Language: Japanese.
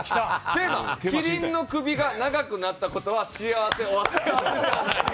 テーマ「キリンの首が長くなったことは幸せｏｒ幸せではない」。